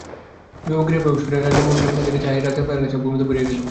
বিভা গৃহে প্রবেশ করিয়া রাজার মুখের দিকে চাহিয়াই রাজার পায়ের কাছে ভূমিতে পড়িয়া গেল।